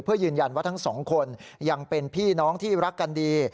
เพื่อยืนยันว่าทั้งสองคนยังเป็นพี่น้องที่รักกันดี